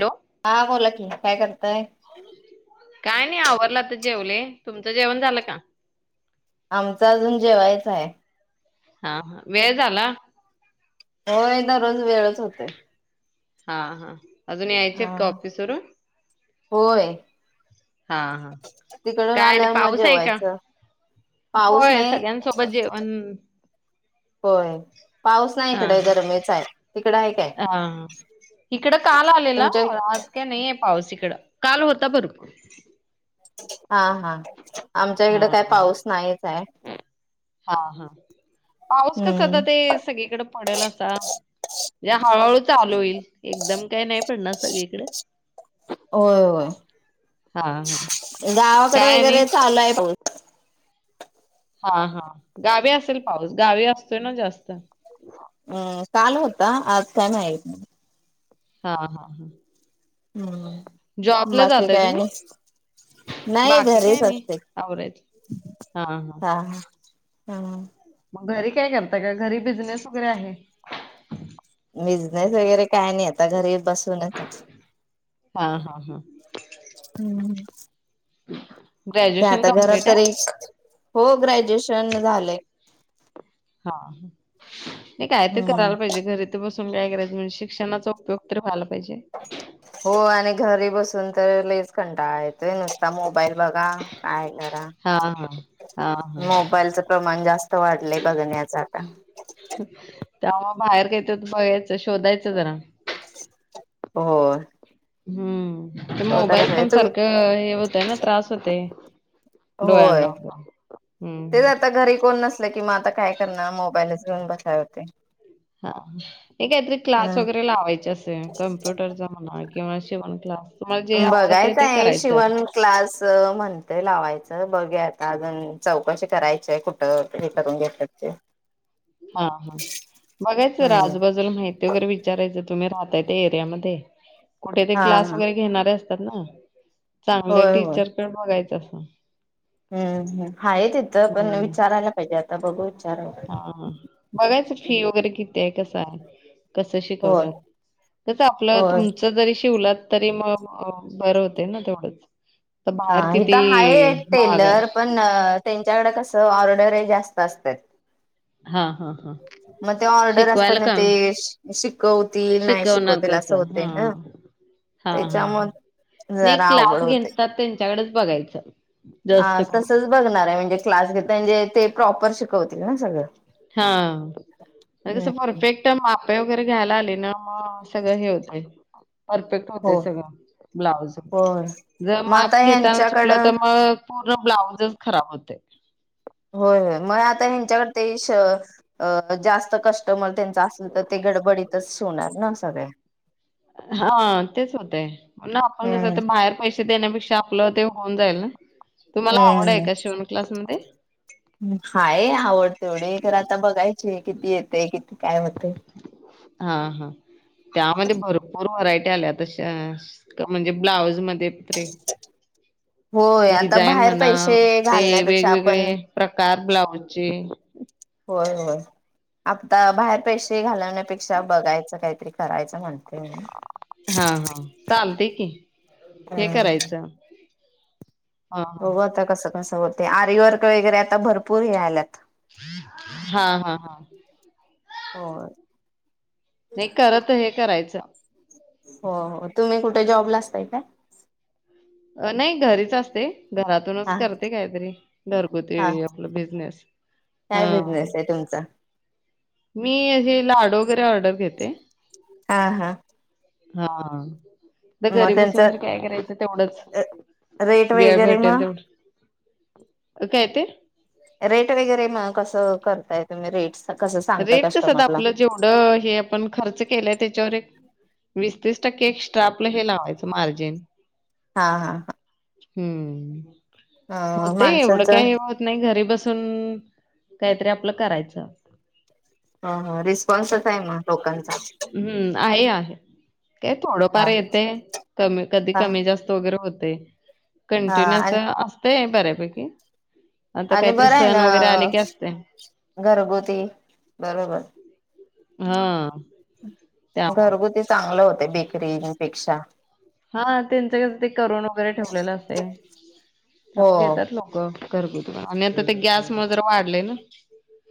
Hello हा बोला की. काय करताय? काय नाही. आवरलं आत्ता जेवले. तुमचं जेवण झालं का? आमच अजून जेवायच आहे. हा. वेळ झाला होय दररोज वेळच होतोय. हा हा. अजून यायचे आहेत हा. का ऑफिस वरून? होय. हा हा तिकडून काय आणि आल्यावर मग पाऊस आहे का? जेवायचं पाऊस होय नाही सगळ्यांसोबत जेवण- होय, पाऊस नाही हा इकडे हा गरमच आहे. तिकडं आहे काय हा. इकड काल आलेला, तुमच्या आज काय नाहीे पाऊस इकडं. ड काल होता भरपूर. ह हा नाहीच आहे हा पाऊस कसा आता हम्म. ते सगळीकडे पडेल असा म्हे हळूहळू- चालू होईल. एकदम काय नाही पडणार सगळीकडे. होय होय हा हा गावाकडे काय वगैरे आणि चालू आहे प. हा हा गावी असेल पाऊस. गावी असतोय ना जास्त. आ-आज काय मा- हा हा हा. हम्म बाकी काय तुम्ही? आणि? नाही बाकी काही घरीच नाही असते. आवरायचं. हां, हां. हा ह. हो. मग घरी काय करताय? का घरी बिझनेस वगैरे आहे? बिझनेस वगैरे- काय नाही आता घरी बसूनच आहे हां, हां, हां. हम्म हम्म. ह् [unintelligible] ते आता घरात तरी हो ग्रॅज्युएशन झालंय. हा ह. नाही काय तर हम्म करायला पाहिजे घरी तर बसून काय शिक्षणाचा उपयोग तर झाला पाहिजे. हो आणि घरी बसून तर लईच कंटाळा येतोय नुसता मोबाईल बघा काय करा हां, हां. हां, हां. मोबाईलच प्रमाण जास्त वाढलंय बघण्याच आता. तेव्हा बाहेर कायत बघायचं शोधायचं जरा. हो. हम्म. तर शोधायला मोबाईल पाहिजे पण तुम्ही सारखं हे होतय ना त्रास होतय. होय हं, तेच हं. आता घरी कोण नसल कि मग आता काय करणार मोबाईलच घेऊन बसाय होते. हा हे काहीतरी क्लास हम्म. वगैरे लावायचे असे कम्प्युटरचा म्हणा शिवन क्लास तुम्हाला जे आवडतंय बघायचं ते आहे करायचं. शिवण क्लास म्हणते लावायचं. बघूया आता अजून चौकशी करायची आहे कुठं हे करून घेतात ते. हा हा बघायचं हम्म आजबाजूला माहिती वगैरे विचारायचं तुम्ही राह त्या एरिया मध्ये. कुठे ते हा क्लास हा वगैरेणार असते तर ना. चांगले होय होय टीचर कडे बघायचं जा [unintelligible] हम्म हा आहे त इथं पण विचारायला पाहिजेता आ बघुत हा बघायचं फी वगैरे किती ते कसं आहे. कस होय शिकवतात तस आपलं होय तुमच जरी शिवलात तरी मग बर होते ना तेवढच. हा इथ हाय आहे. टेलर पण त्यां त्यांच्याकडे कस ऑर्डरे जास्त असतात. हा हा. मग ते ऑर्डर असताना ते शिकवतील नाही शिकवणार शिकवतील असं कसं होतय हा ना हा हा त्याच्या हा मग नाही जरा आवगड क्लास होतय घेतात त्यांच्याकडेच बघायचं अ जास्त करून तसच बघणार आहे म्हणजे क्लास [unintelligible] ते प्रॉपर शिकवतील ना सगळं हा ते कस हम्म परर्फेक्ट माप [unintelligible] वगैरे घ्यायला आले ना म सगळं हे होतय परफेक्ट हो होतय सगळं ब्लाउज होय जर मग आता माप घेताना चुकलं ह्यांच्याकडं तर मग पूर्ण ब्लाउजच खराब होतय. होय होय म आता ह्यांच्याकडे ते [unintelligible] अ जास्त कस्टमर तेन [unintelligible] तर ते गडबडीत तसंच होणार ना सगळे हा तेच होतय ना आपण कस हम्म ते बाहेर पैसे देण्यापेक्षा आपलं ते होऊन जाईल ना तुम्हाला आवड हाय हम्म काय शिवणक्लास मध्ये? हाय आवड तेवढी खर आता बघायची किती येतय? किती काय होतय. हा हा. त्यामध्ये भरपूर व्हरायटी [unintelligible] म्हणजे ब्लॉऊज म [unintelligible] होय आता डिझाईन बाहेर म्हणा पैसे ते घालण्यापेक्षा आपण वेगवेगळे प्रकार ब्लाउज चे होय होय. आता बाहेर पैसे घालवण्यापेक्षा बघायचं काहीतरी करायचं म्हण हा हा चालतंय की हे करायचं हा बघु आता कसं कसं हो ते आरीवर्क वगैरे आता भरपूर हे आल्यात हा हा हा. होय. नाही करत हे कराय [unintelligible] होय होय, तुम्ही कुठे जॉबला असताय काय अ नाही घरीच असते. घरातूनच हा करते काहीतरी हा घरगुती आपलं बिझनेस काय हा. बिझनेस आहे तुमचा? मी हे लाडू वगैरे ऑर्डर घेते. हा हा. हा तर घरी मग त्यांच बसून तर काय करायचं, तेवढंच रेट वेळ वगैरे भेटेल मग तेवढं काय ते? रेट वगैरे म कसं करताय तुम्ही? रेटस रेट कसं द आपलं जेवढं हे आपण खर्च केलय त्याच्यावर एक वीस तीस टक्के एक्स्ट्रा आपलं हे लावायचं मार्जिन. हा हा हा हम्म होते एवढं माणसांचा काही होत नाही घरी बसून कायतरी आपलं करायचं ह ह रिस्पॉन्सच आहे मग लोकांचा हम्म आहे आहे काय हा थोडंफार येतय कमी कधी हा कमी जास्त वगैरे होत. ते हा कंटिन्यु असं असते. बऱ्यापैकी. आता आणि काहीतरी बरं आहे सण ना वगैरे आले की असते घरगुती बरोबर हा त्यामुळे घरगुती चांगलं हो ते बेकरी मधे ईकक्षा हा त्यांचं कस ते करुन वगैरे ठेवलेलं असतय त्यामुळ हो घेतात लोकं. घरगुती आणिं आता ते गॅस मुळ जरा वाढलय ना.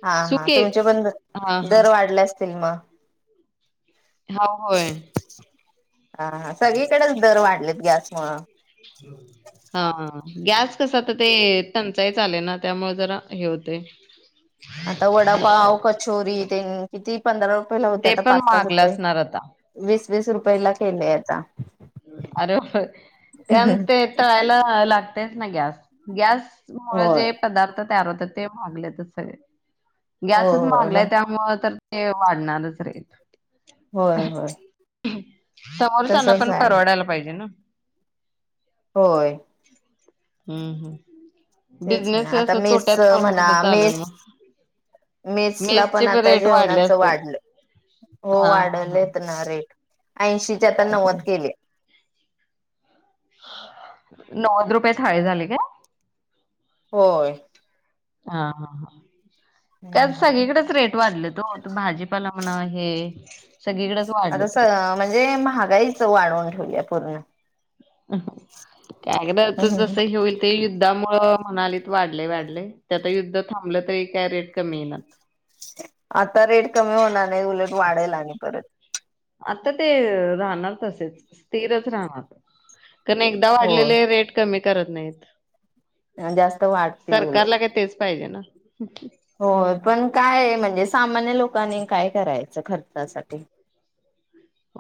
हा हा सुके तुमचे पण द हा हा दर वाढल्यास सिल्मा हा होय. हा हा सगळीकडच दर वाढलेत. गॅस मुळं हा हं ह गॅस कसं आता ते टंचाई चालूये ना त्यामुळे जरा हे होतय. आता वडापाव, कचोरी तेन किती पंधरा मला होते ते आता पण पाच पाच महागल रुपये असणार आता वीस वीस रुप पहिला केलेयं आता. अरे होय त्याण ते तळायला लागतय नाही गॅस गॅस मुळं होय जे पदार्थांत तयार होतात ते म्हागल्यातच आहे. हो गॅसच होय महागलाय ब त्यामुळ तर ते वाढणारंच रेट. होय होय. [unintelligible] समोरच्यांना तसच पण आहे परवडायला पाहिजे ना. होय. हम्म हम्म. तेच ना बिझनेस आता असं तोट्यात मेसचं करून म्हणा कसं चालेल मेस मग मेसला मेसचे पण आता रेट वाढले जेवणाचं असतील. वाढलं हो हा हा हा वाढवलेत ना रेट. ऐंशीची आता काय नव्वद कराय केलीये. नव्वद रुपये थाळी झाली काय? होय. हा हा हा. त्यात सगळीकडंच रेट वाढलेत ओ आता भाजीपाला म्हणा हे सगळीकडेच वाढलेत रेट. आतासं म्हणजे महागाईच वाढवूण [unintelligible] पूर्ण. [unintelligible] जसं हम्म. हे होईल ते यु युद्धामुळं म्हणालीत वाढलंय वाढलंय ते आता युद्धं थांबलं तरी काय रेट कमी येईना. आता रेट कमी होणार नाही उलट वाढेल आणि परत. आता ते राहणार तसेच स्थिरच राहणार. पण एकदा वाढलेले रेट कमी करत नाहीत. ह जास्त वाढतील उलट. सरकारला काय तेच [unintelligible] हो. पण काय आहे म्हणजे सामान्य लोकांनी काय करायचं? खर्चासाठी.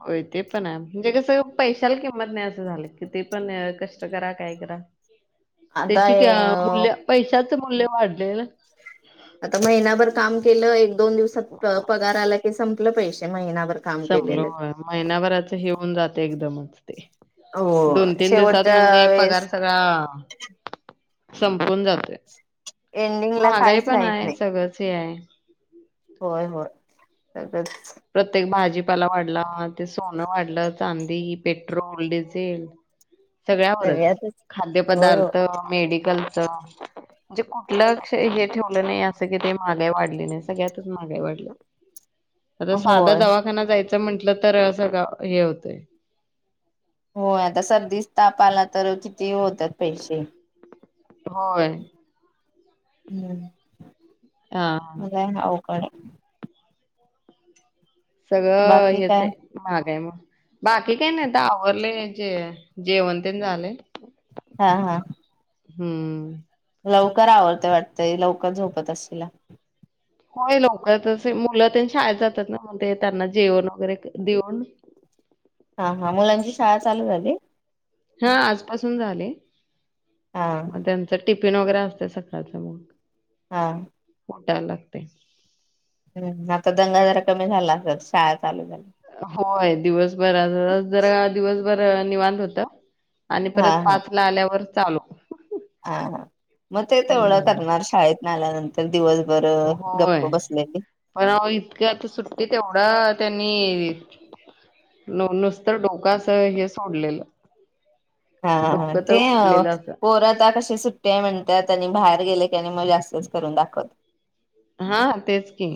होय ते पण हाय म्हणजे कसं पैशाला किंमत नाही असं झालंय, किती पण कष्ट करा, काय करा. आता त्याची हे का अं मूल्य पैशात मूल्य वाढलेलं. आता महिनाभर काम केलं एक दोन दिवसात प पगार आला की सग संपले पैसे महिना संपलं होय महिनाभराचं हे होऊन जात एकदा. नमस्ते हो. दोन तीन दिवसात म्हणजे शेवटच्या वेळेस पगार सगळा संपवून जाते. एंडिंग ला काहीच राहत नाही सगळंच हे आहे होय होय त्यात [unintelligible] प्रत्येक भाजीत तपाला वाढला, ते सोनं वाढलं, चांदी, पेट्रोल, डिझेल, सगळ्यावरच, सगळ्यातच खाद्य होय हो. पदार्थ, आणि मेड. लक्च [unintelligible] म्हणजे कुठलचं हे ठेवलं नाही अस कि महागाई वाढली नाही, सगळ्यातच महागाई वाढली. आता साधा होय दवाखाना जायचं म्हंटलं तरसगळं हे होतय होय, आता सर्दीच ताप आला तर.. ते होतात पैसे.. होय.. हम्म आ हा. पडा सगळं. हेच काय आहे, महागाईमुळे बाकी काही नाही आता आवरले हे, जे जेवण त झाले. हा.. हा.. हम्म लवकर आवरते वाटते, लवकर झोपत असशीला होय लवकरचं, मुलं ते शाळेत जातात ना, म ते त्यांना जेवण वगैरे देऊन हा हा मुलांची शाळा चालू झाली हा आजपासून झाले हा मग त्यांच टिपीन न वगैरे असते सकाळं मग हा त्या लागते हम्म आता दंगा जरा कमी झाला अस शाळा चालू झाली होय दिवस बरं जरा दिवस बर निवांत होता आणि हा परत हा पाच ला आल्यावर चालू हा ह मग ते तेवढं हम्म. करणार शाळेत आल्यानंतर दिवस होय पण इतक्या आता सुट्टी ते तेवढं त्यांनी न नुसत डोका अस हे सोडलेलं हा, हा, हा डोकं तर ते उठलेलं असं पोरात कसे सुट्ट्या म्हणतात आणि बाहेर गेले त्याने म जास्तच करून दाखवत हा तेच की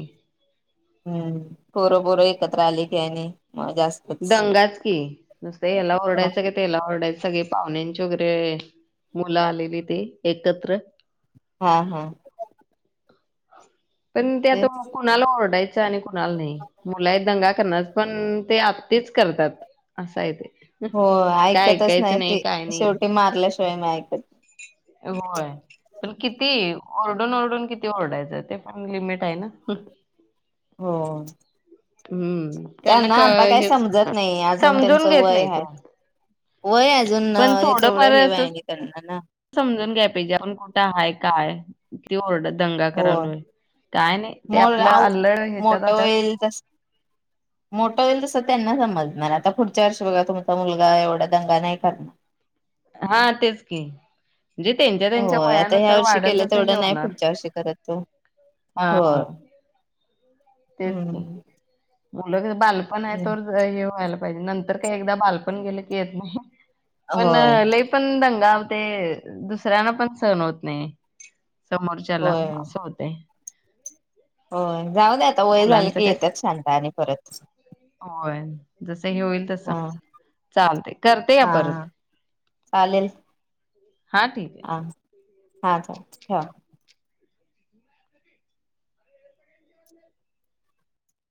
हम्म पोरं, पोरं एकत्र आले की आणि मग जास्तच दंगाच की नुसतं याला हा ओरडायचं क तेला ओरडायचं सगळे पाहुण्यांची वगैरे मुलं आलेली ते एकत्र हा पण त्यात तेच कोणाला ओरडायच आणि कुणाला नाही मुला आहेत दंगा करणार पण ते आत्तीच करतात असा आहे ते हो काय ऐकतच नाही ऐकायचं त काय नाही शेवटी मारल्याशिवाय मी ऐक होय पण किती ओरडून ओरडून किती ओरडायचं ते पण लिमिट आहे ना हो हम्म त्यांना क आता काही हेच समजत नाही अजून समजून त्यांचं घेत वय नाही आहे तो वय अजून पण तेवढं थोडंफार हेवा असं आहे आणि त्यांना ना समजून घ्या पाहिजे कुठं आहे काय ते ओरड दंगा हो करालोय काय नाही ते मोर आपलं आव अल्लळ ह्याच्यात मोठं अस होईल तस मोठं होईल तसं त्यांना समजणार आता पुढच्या वर्षी बघा तुमचा मुलगा एवढा दंगा नाही करणार हा तेच की म्हणजे त्यांच्या त्यांच्या होय आता ह्या वयानुसार वर्षी वाढल केलं तसं हे तेवढं नाही होणार पुढच्या वर्षी करत तो हा हा होय हम्म उलट बालपण आहे तोवर हे व्हायला पाहिजे नंतर काही एकदा बालपण गेले की येत नाही पण होय लई पण दंगा आ ते दुसऱ्यांना पण सहन होत नाही समोरच्याला होय असं होतंय ह होय जाऊदे आ मुलांच काय होय जस हे होईल तस हा चालतय करते घ्या हा परत चालेल हा ठीक आहे हा. हा चालतय ठेवा